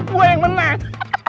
gue yang menang